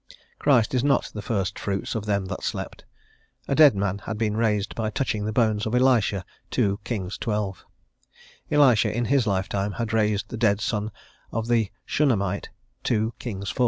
Christ is not the first fruits them that slept A dead man had been raised by touching the bones of Ehsha (2 Kings xii). Elisha, in his lifetime had raised the dead son of the Shunamite (2 Kings iv.)